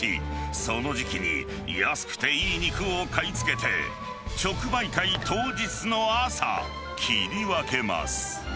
その時期に安くていい肉を買い付けて、直売会当日の朝、切り分けます。